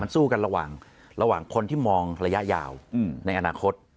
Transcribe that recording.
สู้กันระหว่างคนที่มองระยะยาวในอนาคต